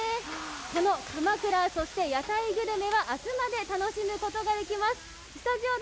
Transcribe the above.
このかまくら、そして屋台グルメは明日まで楽しむことができます。